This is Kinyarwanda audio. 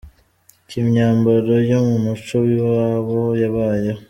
K’imyambaro yo mu muco w’iwabo Yabaye.